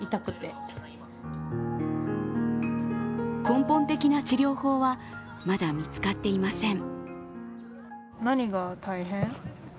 根本的な治療法はまだ見つかっていません。